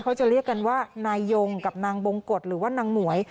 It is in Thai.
เขาจะเรียกกันว่านายยงกับนางบงกฎหรือว่านางหมวย